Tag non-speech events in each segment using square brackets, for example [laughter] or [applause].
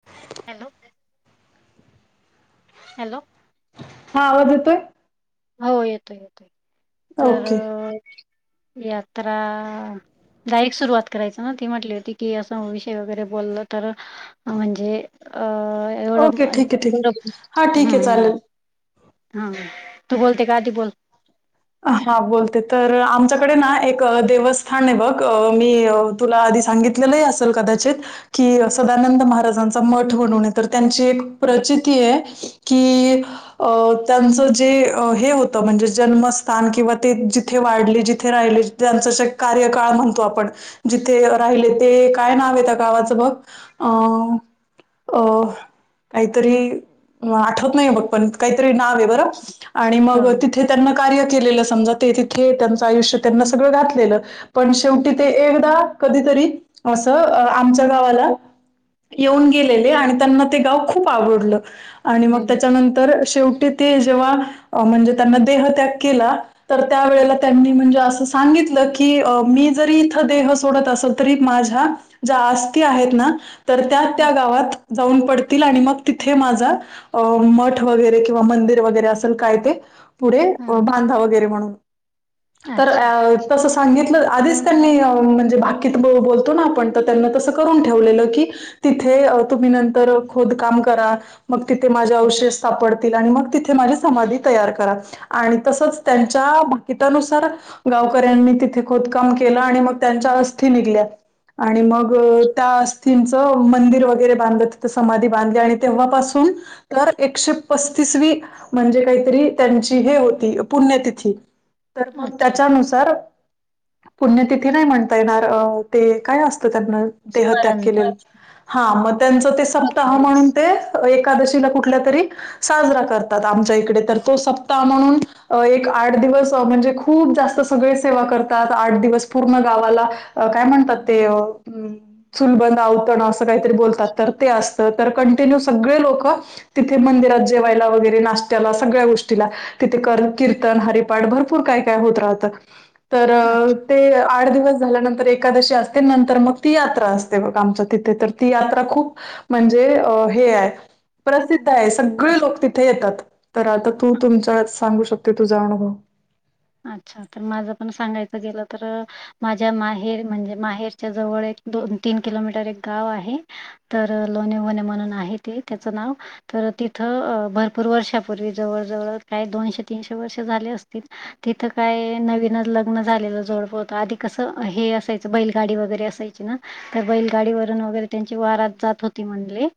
[inaudible] Hello hello. हा आवाज येतोय? हो येतोय येतोय तर ओके यात्रा डायरेक्ट सुरुवात करायचं ना ती म्हटली होती की असं विषय वगैरे बोललं तर म्हणजे अ एवढं ओके ठीक आहे ठीक आहे हा [inaudible] ठीक आहे हम्म. चालेल हा तू बोलते का आधी बोल हा बोलते तर आमच्याकडे ना एक देवस्थानेय बघ मी अ तुला आधी सांगितलेलं ही असेल कदाचित. कि सदानंद महाराजांचा मठ म्हणून हाय टी त्यांची एक प्रचितीय की अ त्यांचं जे हे होतं म्हणजे जन्म स्थान किंवा ते जिथे वाढले जिथे राहिले ज्यांचं श कार्यकाळ म्हणतो आपण. जिथे राहिले ते काय नावाय त्या गावाचं बघ अं अ काहीतरी आठवत नाही बघ पण काय तरी नवेय बर आणि ह मग तिथे त्यांना कार्य केलेलं समजा ते तिथे त्यांचं आयुष्य त्यांना सगळं घातलेलं. पण शेवटी ते एकदा कधीतरी असं आमच्या गावाला येऊन गेलेले आणि त्यांना ते गाव खूप आवडलं. आणि मग त्याच्यानंतर शेवटी ते जेव्हा म्हणजे त्यांना देहत्याग केला. तर त्या वेळेला त्यांनी म्हणजे असं सांगितलं की मी जरी इथं देह सोडत असल तरी माझ्या ज्या अस्ति आहेत ना तर त्या त्या गावात जाऊन पडतील आणि मग तिथे माझा अ मठ वगैरे किंवा मंदिर वगैरे असेल काय ते पुरे अच्छा बांधा वगैरे म्हणून तर अच्छा अ तसं सांगितलं आधीच त्यांनी म्हणजे भाकीत बो- बोलतो ना आपण तर त्यांना तसं करून ठेवलेलं की तिथे अ तुम्ही नंतर खोदकाम करा. मग तिथे माझे अवशेष सापडतील आणि मग तिथे माझी समाधी तयार करा. आणि तसंच त्यांच्या भाकितानुसार गावकऱ्यांनी तिथे खोदकाम केलं आणि मग त्यांच्या अस्थी निघल्या आणि मग अ त्या अस्थींचं मंदिर वगैरे बांधलं तिथं समाधी बांधली आणि तेव्हापासून तर एकशे पस्तीसवी म्हणजे काहीतरी त्यांची हे होती पुण्यतिथी तर मग अच्छा त्याच्यानुसा तर पुण्यतिथी नाही म्हणता येणार ते काय असतं त्यांना देहत्याग केलेल हा मग त्यांचं ते सप्ताह म्हणून ते एकादशीला कुठल्या तरी साजरा करतात आमच्या इकडे तर तो सप म्हणून, एक आठ दिवस म्हणजे खूप जास्त सगळे सेवा करतात. आठदिवस पूर्ण गावाला, काय म्हणतात ते. अंम चुलबंद, आवतण असं काहीतरी बोलतात. तर ते असतं, तर कंटिन्यू सगळे लोक तिथे मंदिरात जेवायला वगैरे नाशत्याला सगळ्या गोष्टी तिथे कीर्तन, हरिपाठ भरपूर काय- काय होत राहत तर अच्छा ते आठ दिवस झाल्यानंतर एकादशी असते नंतर मग ती यात्रा असते बघ. आमच्या तिथे तर ती यात्रा खूप म्हणजे अ, हे हाय, प्रसिद्ध हाय. सगळे लोक तिथे येतात तर आता तू तुमच्या सा आम्ही शक्यतो जाऊन येतो. अच्छा, तर माझं पण सांगायचं गेलं तर माझ्या माहेर, म्हणजे माहेरच्या जवळ एक दोन- तीन किलोमीटर एक गाव आहे. तर लोणीवणे म्हणून आहे ते, त्याचं नाव तर तिथं भरपूर वर्षापूर्वी जवळ- जवळ, काही दोनशे तीनशे वर्ष झाले असतील. तिथं काय नवीनच लग्न झालेलं जोड होतं, आधी कसं हे असायचं बैलगाडी वगैरे असायची ना. तर बैलगाडीवरून वगैरे त्यांची वारात जात होती म्हणले.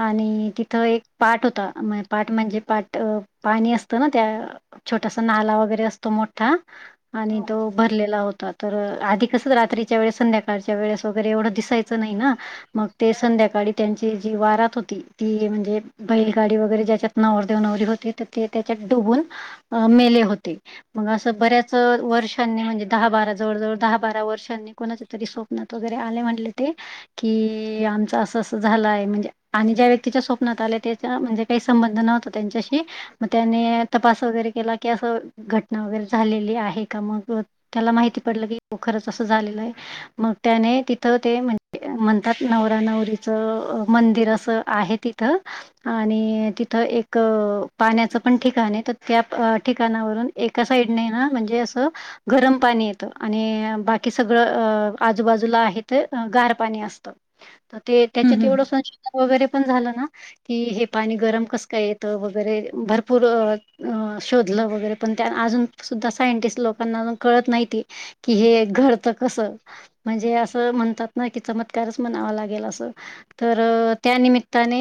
आणि तिथं एक पाट होता, पाट म्हणजे पाट पाणी असतं ना त्या, छोटासा नाला वगैरे असतो मोठा आणि हो. तो भरलेला होता. तर आधी कसंच रात्रीच्या वेळेस संध्याकाळच्या वेळेस वगैरे एवढं दिसायचं नाही ना. मग ते संध्याकाळी त्यांची जी वारात होती, ती म्हणजे बैलगाडी वगैरे ज्याच्यात नवरदेव -नवरी होते, तर ते त्याच्यात डोबून मेले होते. मग असं बऱ्याच वर्षांनी म्हणजे दहा -बारा, जवळ -जवळ दहा -बारा वर्षांनी कोणाच तरी स्वप्नात वगैरे आले म्हटले ते. कि आमच असं अस झालं आहे म्हणजे आणि ज्या व्यक्तीच्या स्वप्नात आल्या त्या, म्हणजे काही संबंध नव्हता त्यांच्याशी मग त्यानी तपास वगैरे केला की असं घटना वगैरे झालेली आहे का मग, त्याला माहिती पडलं की ख खरंच असं झालेलं आहे. मग त्याने तिथं ते म्हणले. म्हणतात. नवरा -नवरीचं मंदिर असं आहे तिथं. आणि तिथं एक पाण्याचं पण ठिकाण हाय तर त्या ठिकाणावरून एका साईडने ना म्हणजे असं गरम पाणी येतं आणि बाकी सगळं आजू-बाजूला इथं गार पाणी असतं. तर ते हं, त्याच्यात हं, एवढं संशोधन वगैरे पण झालं ना. कि हे पाणी गरम कस काय येत वगैरे भरपूर शोधलं वगैरे. पण त्या अजून सुद्धा सायंटिस्ट लोकांना कळत नाहीती, की हे घडतं कस. म्हणजे असं म्हणतात ना कि, चमत्कारच म्हणावा लागेल असं. तर त्यानिमित्ताने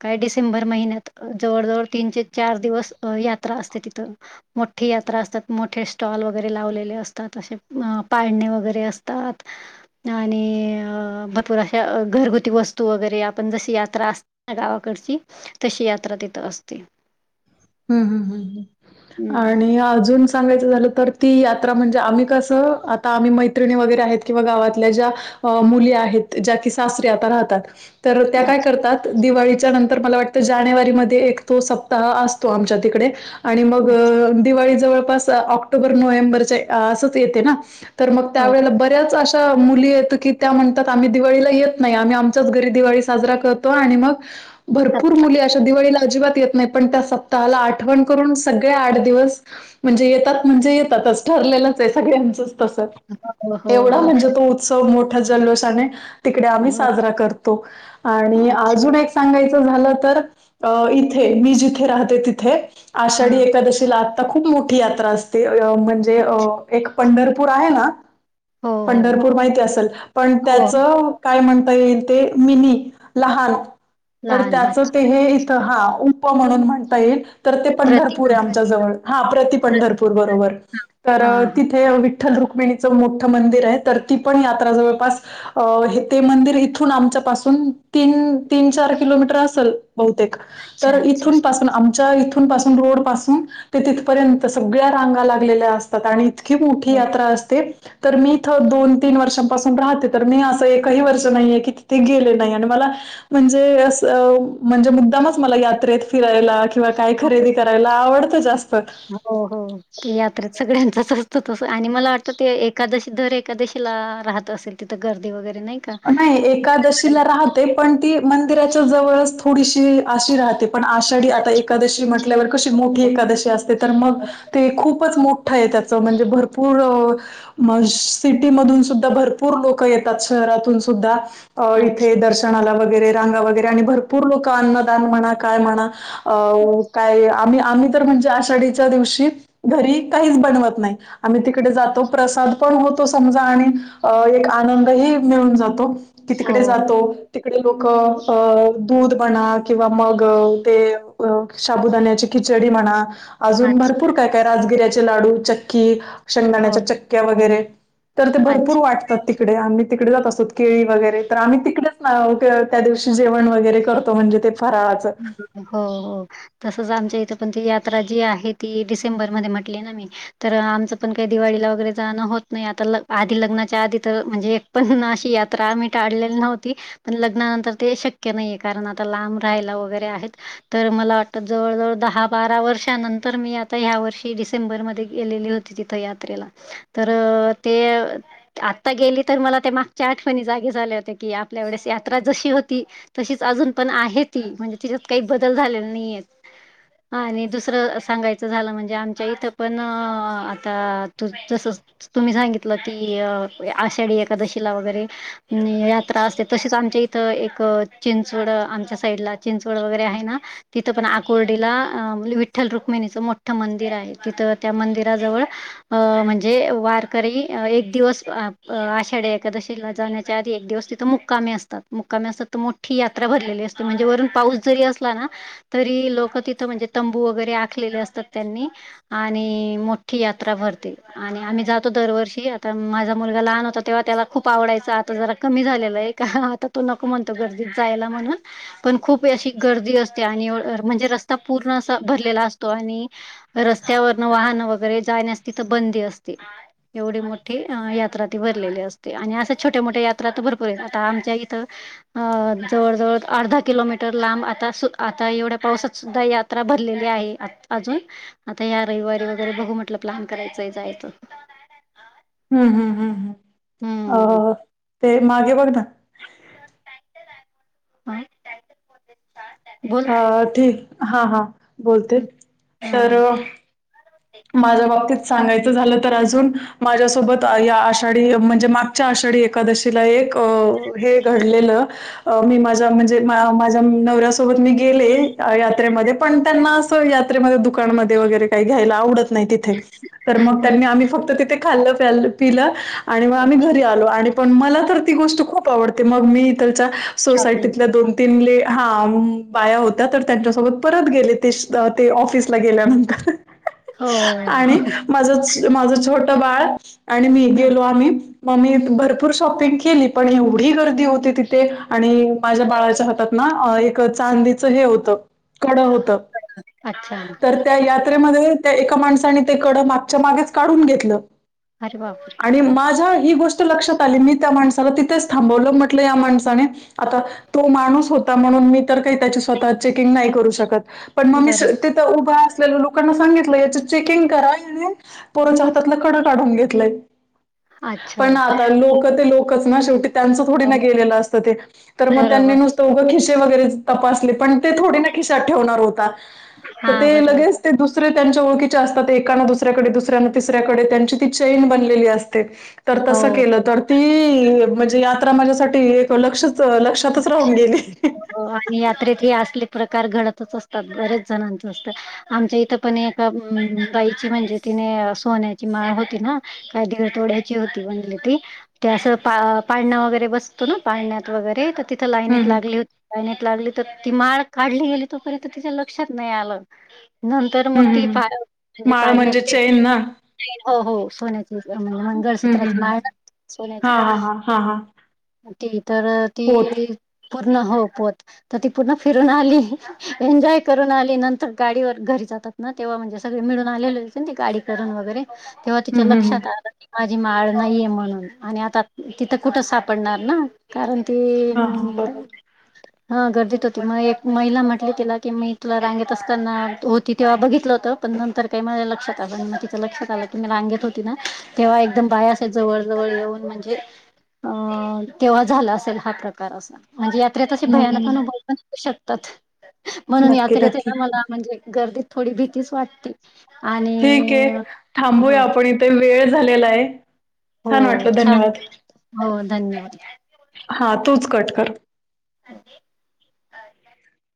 काय डिसेंबर महिन्यात जवळ-जवळ तीन ते चार दिवस यात्रा असते तिथं. मोठी यात्रा असतात. मोठे स्टॉल वगैरे लावलेले असतात असे पाळणे वगैरे असतात. आणि भरपूर अशा घरगुती वस्तू वगैरे आपण जशी यात्रा अस गावाकडची तशी यात्रा तिथं असते. हम्, हम्म, ह् हं. आणि अजून सांगायचं झालं तर ती यात्रा म्हणजे आम्ही कसं, आता आम्ही मैत्रिणी वगैरे आहेत किंवा गावातल्या ज्या अ, मुली आहेत. ज्या कि सासरी आता राहतात. तर त्या काय अच्छा, करतात. दिवाळीच्या नंतर मला वाटतं जानेवारीमध्ये एक तो सप्ताह अस तो, आमच्या तिकडे आणि मग अच्छा. दिवाळी जवळपास तर ऑक्टोबर नोव्हेंबरचे असंच येते ना, तर मग हो. त्यावेळेला बऱ्याच अशा मुली येत की त्या म्हणतात आम्ही दिवाळीला येत नाही आम्ही आमच्याच घरी दिवाळी साजरा करतो आणि मग भरपूर सप्ताह. मुली अशा दिवाळीला अजिबात येत नाही पण त्या सप्ताहाला आठवण करून सगळे आठ दिवस म्हणजे येतात म्हणजे येतातच ठरलेलंच आहे सगळ्यांचंच तसं. हो, हो, एवढा हो. म्हणजे तो उत्सव मोठा जल्लोष आणि तिकडे आम्ही हो. साजरा करतो आणि अच्छा. अजून एक सांगायच झालं तर इथे मी जिथे राहते तिथे. आषाढी हां. एकादशीला आता खूप मोठी यात्रा असते म्हणजे एक पंढरपूर आहे ना, हो, हो. पंढरपूर माहिती असेल पण हो. त्याच काय म्हणता येईल ते मिनी लहान तर लहान त्याच हात. ते हे ते हा उप म्हणून म्हणता येईल. तर ते पंढरपूर प्रतीक आहे आमच्या जवळ हा प्रति प्रतीक. पंढरपूर बरोबर, हां. तर हां, हां. तिथे विठ्ठल रुक्मिणीचं मोठं मंदिर आहे तर ती पण यात्रा जवळपास अ हे ते मंदिर इथून आमच्या पाासून तीन, तीन-चार किलोमीटर असल. बहुतेक तर अच्छा, अच्छा. इथून पासून आमच्या इथून पासून रोड पासून ते तिथपर्यंत सगळ्या रांगा लागलेल्या असतात आणि इतकी मोठी हो. यात्रा असते तर मी इथं दोन-तीन वर्षांपासून राहते तर मी असं एकही वर्ष नाही आहेे की तिथे गेले नाही आणि मला म्हणजे अस म्हणजे मुद्दामच मला यात्रेत फिरायला किंवा काय खरेदी करायला आवडतं जास्त. हो हो, यात्रेत सगळ्यांचच असत तस आणि मला वाटतं ते एकादशी दर एक कादशीला राहत असेल तिथं गर्दी वगैरे नाही का? तिला राहते पण ती मंदिराच्या जवळ थोडीशी आशी राहते पण आषाढी आता एकादशी म्हटल्यावर कशी मोठी एकादशी असते तर मग ते खूपच मोठं आहे त्याचं म्हणजे भरपूर म सिटी मधून सुद्धा भरपूर लोक येतात शहरात तून सुधा अच्छा. इथे दर्श णाला वगैरे रांगा वगैरे आणि भरपूर लोक अ्दान म्हणा काय म्हणा अ काय आम्ही, आम्ही तर म्हणजे आषाढीच्या दिवशी घरी काहीच बनवत नाही. आम्ही तिकडे जातो प्रसाद पण होतो समजा आणि अ एक आनंदही मिळून जातो की तिकडे हो. जातो. तिकडे लोक अ दूध बणा, किंवा मग ते शाबुदान्याची खिचडी म्हणा अजून अच्छा. भरपूर काय-काय राजगिर्याचे लाडू, चक्की, हो. शेंगाण्याच्या चक्क्या वगैरे. तर ते अच्छा. भरपूर वाटतात तिकडे आम्ही तिकडे जात असतो केळी वगैरे तर आम्ही तिकडेच ना त्या दिवशी जेवण वगैरे करतो म्हणजे ते फराजक हो हो तसच आमच्या इथे पण ती यात्रा जी आहे ती डिसेंबरमध्ये म्हटली ना मी तर आमचं पण काही दिवाळीला वगैरे जाणं होत नाही आता आधी लग्नाच्या आधी तर म्हणजे पण अशी यात्रा आम्ही काळलेली नव्हती. पण लग्नानंतर ते शक्य नाहीये कारण आता लांब राहायला वगैरे आहेत. तर मला वाटतं जवळ-जवळ दहा-बारा वर्षानंतर मी आता ह्या वर्षी डिसेंबरमध्येध्ये गेलेली होती तिथं यात्रेला, तर ते आत्ता गेली तर मला ते मागच्या आठवणी जागे झाले होते की आपल्या वळेस यात्रा जशी होती तशीच अजून पण आहे ती म्हणजे तिच्यात काही बदल झालेले नाहीयेत. आणि दुसरं सांगायचं झालं म्हणजे आमच्या इथं पण आता तसच तुम्ही सांगितलं की, क आषाढी एकादशीला वगैरे यात्रा असते. तशीच आमच्या इथं एक चिंचवड, आमच्या साईडला चिंचवड वगैरे आहे ना. तिथं पण आकोर्डीला विठ्ठल रुक्मिणीचं मोठं मंदिर आहे. तिथं त्या मंदिराजवळ अ म्हणजे वारकरी एक दिवस आषाढी एकादशीला जाण्याच्या आधी एक दिवस ति मुक्कामी असतात. मुक्कामी असतात तर मोठी यात्रा भरलेली असते. म्हणजे वरून पाऊस जरी असला ना तरी लोक तिथं म्हणजे तंबू वगैरे आखलेले असतात त्यांनी. आणि मोठी यात्रा भरते. आणि आम्ही जातो दरवर्षी आता माझा मुलगा लहान होता तेव्हा त्याला खूप आवडायच आता जरा कमी झालेला एक. का आता तू नको म्हणतो गर्दीत जायला म्हणून, पण खूप अशी गर्दी असते आणि म्हणजे रस्ता पूर्ण असा भरलेला असतो. आणि रस्त्यावरन वाहनं वगैरे जाण्यास तिथ बंदी असते. एवढी मोठी यात्रा ती भरलेली असते. आणि असं छोट्या मोठ्या यात्रा तर भरपूर आहेत. आता आमच्या इथं अ जवळ जवळ अर्धा किलोमीटर लांब आता -आता एवढ्या पावसात सुद्धा यात्रा भरलेली आहे. अजून आता या रविवारी वगैरे बघू म्हटलं प्लॅन करायचंय जायचं. हम हम हम,, हम्म अ ते मागे बघ ना. माहित [inaudible] अ ठीक, हा हा बोलते हा तर माझ्या बाबतीत सांगायचं झालं तर अजून, माझ्यासोबत या आषाढी म्हणजे च्या आषाढी एकादशीला एक, हे घडलेलं अ मी माझ्या म्हणजे माझ्या नवऱ्यासोबत मी गेले यात्रेमध्ये पण त्यांना असं यात्रेमध्ये दुकानमध्ये वगैरे काही घ्यायला आवडत नाही तिथे, तर मग त्यांनी हो आमी फक्त तिथे खाल प्याल पिल आणि मग आम्ही घरी आलो, आणि पण मला तर ती गोष्ट खूप आवडते. मग मी त्याच्या शॉपिंग सोसायटीतल्या दोन तीनले हा म बाया होत्या, तर त्यांच्यासोबत परत गेले ते ते ऑफिसला गेल्यानंतर हो आणि माझ माझं छोट बाळ आणि मी गेलो आम्ही म मी भरपूर शॉपिंग केली पण एवढी गर्दी होती तिथे आणि माझ्या बाळाच्या हातात ना एक चांदीचं हे होतं कड होत. अच्छा तर त्या यात्रेमध्ये त्या एका माणसाने ते कड मागच्या मागेच काढून घेतलं, अरे बापरे आणि माझ्या ही गोष्ट लक्षात आली मी त्या माणसाला तिथेच थांबवलं, म्हटलं या माणसाने आता तो माणूस होता म्हणून मी तर काही त्याची स्वतः चेकिंग नाही करू शकत. पण मग मी बरोबर तिथं उभा असलेलं लोकांना सांगितलं याच चेकिंग करा, याने पोरोच्या हातातलं कडं काढून घेतलंय. अच्छा पण आता लोक ते लोकच ना शेवटी त्यांच थोडी ना गेलेलं असत ते, तर मग त्यांनी बरोबर नुस उग खिसे वगैरे तपासले पण ते थोडे ना खिशात ठेवणार होता. तर हा ते बरोबर लगेच ते दुसरे त्यांच्या ओळखीच्या असतात. एकान दुसऱ्याकडे, दुसऱ्यान तिसऱ्याकडे, त्यांची ती चेन बनलेली असते. तर तसं केलं हो तर, ती म्हणजे यात्रा माझ्यासाठी लक्षच- लक्ष [unintelligible] अ आणि यात्रेत हे असले प्रकार घडतच असतात. बरेच जणांचं असतं. आमच्या इथं पण एका बाईची म्हणजे तिने सोन्याची माळ होती ना, काय दीड तोळ्यांची होती म्हणत होती. ते असं पा पाळना वगैरे बसतो ना, पाळण्यात वगैरे तर तिथं हम्म लाईनीत हम्म लागली होती. लाईनीत लागली, तर ती माळ काढली गेली. तोपर्यंत तिच्या लक्षात नाही आल. नंतर मग हम्म हम्म ती हम्म. पा म्हणजे माळ पाळण्यात म्हणजे गेली. चैन ना हो हो, सोन्याच होत म्हणजे हम्म हम्म मंगळसूत्राची हम्म. माळ ना सोन्याची हा हा हा हा हा, ती तर ती पोत पूर्ण होपवत, तर ती पूर्ण फिरून आली. एन्जॉय करून आली नंतर गाडीवर घरी जातात ना, तेव्हा म्हणजे सगळे मिळून आलेले होते. ते गाडी करून वगैरे, तेव्हा तिच्या हम्म हम्म हम्म. लक्षात आलं की, माझी माळ नाहीये. म्हणून आणि आता तिथं कुठं साप पडणार ना, कारण ते हा हा बरोबर हा गर्दीत होती. मग एक महिला म्हटली तिला की, मी तुला रांगेत असताना होती. तेव्हा बघितलं होतं. पण नंतर काही माझ्या लक्षात आलं आणि मग तिच्यां लक्षात आलं की मी रांगेत होती ना, तेव्हा एकदम बाया अस जवळ, जवळ येऊन म्हणजे अ, तेव्हा झाला असेल, हा प्रकार असा म्हणजे यात्रेत हम्म भयानक हम्म अनुभव पण शकतात म्हणून नक्की नक्की यात्रेला मला म्हणजे गर्दीत थोडी भीतीच वाटते. आणि ठीक आहे. हो थांबूया आपण इथे वेळ झालेला आहे. हो छान वाटलं छान, धन्यवाद. हो धन्यवाद. हा तूच कट कर, [unintelligible]